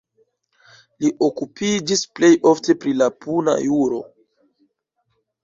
Li okupiĝis plej ofte pri la puna juro.